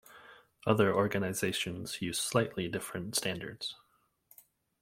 Other organizations use slightly different standards.